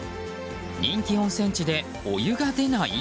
人気温泉地でお湯が出ない？